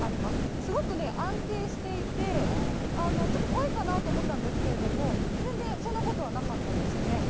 すごくね、安定していて、ちょっと怖いかなと思ったんですけど、全然そんなことはなかったですね。